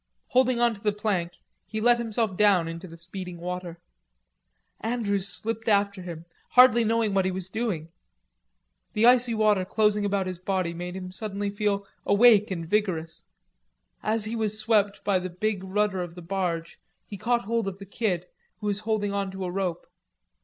Holding on to the plank, he let himself down into the speeding water. Andrews slipped after him, hardly knowing what he was doing. The icy water closing about his body made him suddenly feel awake and vigorous. As he was swept by the big rudder of the barge, he caught hold of the Kid, who was holding on to a rope.